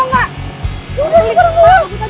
yaudah dikit pak